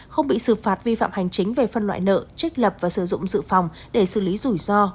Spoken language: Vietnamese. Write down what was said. không bị xử phạt vi phạm hành chính về phân loại nợ trích lập và sử dụng dự phòng để xử lý rủi ro